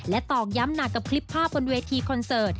ตอกย้ำหนักกับคลิปภาพบนเวทีคอนเสิร์ต